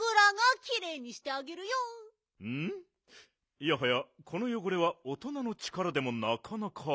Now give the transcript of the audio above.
いやはやこのよごれは大人の力でもなかなか。